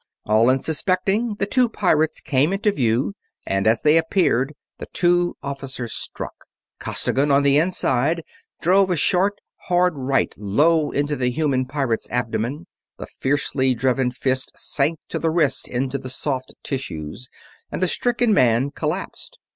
All unsuspecting, the two pirates came into view, and as they appeared the two officers struck. Costigan, on the inside, drove a short, hard right low into the human pirate's abdomen. The fiercely driven fist sank to the wrist into the soft tissues and the stricken man collapsed.